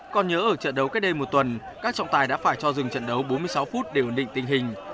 còn nhớ ở trận đấu cách đây một tuần các trọng tài đã phải cho dừng trận đấu bốn mươi sáu phút để ổn định tình hình